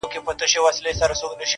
حمزه صوفي مشرب و